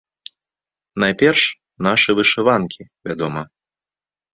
Найперш, нашы вышыванкі, вядома.